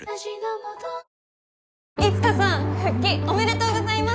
いつかさん復帰おめでとうございます！